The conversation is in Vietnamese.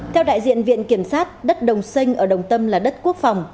theo đại diện viện kiểm sát đất đồng sinh ở đồng tâm là đất quốc phòng